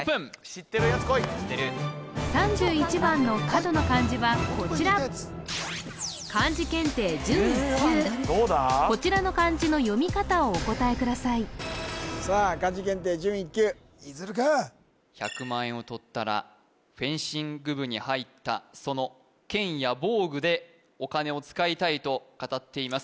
知ってる３１番の角の漢字はこちらうーわ何こちらの漢字の読み方をお答えくださいさあ漢字検定準１級逸琉くん１００万円をとったらフェンシング部に入ったその剣や防具でお金を使いたいと語っています